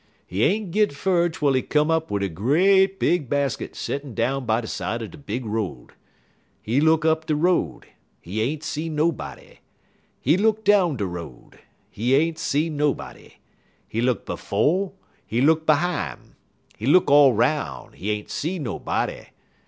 "He ain't git fur twel he come up wid a great big basket settin' down by de side er de big road. He look up de road; he ain't see nobody. He look down de road; he ain't see nobody. He look befo', he look behime, he look all 'roun'; he ain't see nobody.